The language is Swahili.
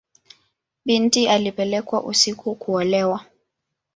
Binti alipelekwa usiku kuolewa.